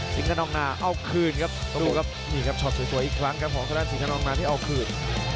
สิงค์ขนองนาเอาคืนครับดูครับนี่ครับช็อตสวยอีกครั้งครับของสดานสิงค์ขนองนาที่เอาคืน